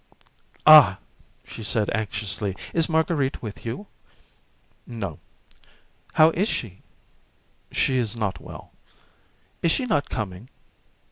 "Ah!" she said, anxiously; "is Marguerite with you?" "No." "How is she?" "She is not well." "Is she not coming?"